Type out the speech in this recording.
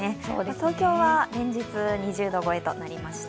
東京は連日２０度超えとなりました。